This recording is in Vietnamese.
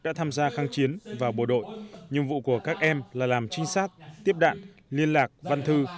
đã tham gia kháng chiến vào bộ đội nhiệm vụ của các em là làm trinh sát tiếp đạn liên lạc văn thư